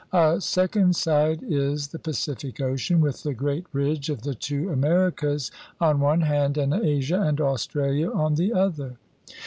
A second side is the Pacific Ocean with the great ridge of the two Americas on one hand and Asia and Australia on the other.